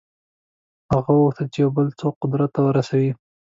هغه غوښتل یو بل څوک قدرت ته ورسوي.